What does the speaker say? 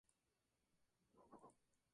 Los bordes de la lámina foliar son enteros.